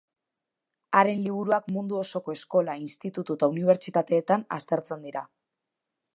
Haren liburuak mundu osoko eskola, institutu eta unibertsitateetan aztertzen dira.